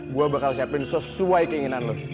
gue bakal siapin sesuai keinginan lo